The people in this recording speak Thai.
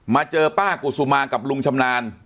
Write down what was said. เจอป้ากุศุมากับลุงชำนาญ